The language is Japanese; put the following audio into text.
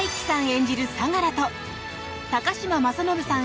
演じる相良と高嶋政伸さん